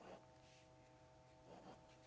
แล้วผมก็กลายคุยกับเขาไปเรื่อยคุยพยายามคุยเขาก็